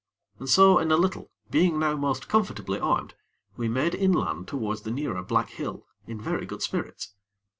And so, in a little, being now most comfortably armed, we made inland towards the nearer black hill, in very good spirits.